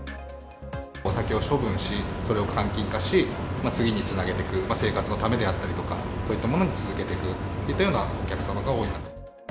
お酒を処分し、それを換金化し、次につなげていく、生活のためであったりとか、そういったものに続けてくといったようなお客様が多い。